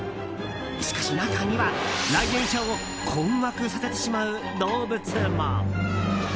しかし、中には来園者を困惑させてしまう動物も。